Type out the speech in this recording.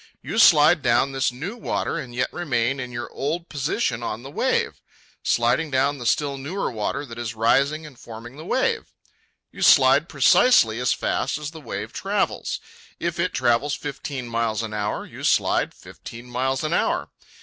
You slide down this new water, and yet remain in your old position on the wave, sliding down the still newer water that is rising and forming the wave. You slide precisely as fast as the wave travels. If it travels fifteen miles an hour, you slide fifteen miles an hour.